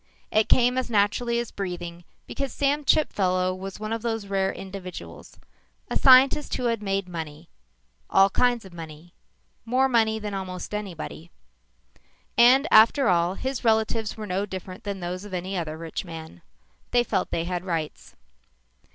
It came as naturally as breathing because Sam Chipfellow was one of those rare individuals a scientist who had made money; all kinds of money; more money than almost anybody. And after all, his relatives were no different than those of any other rich man. They felt they had rights.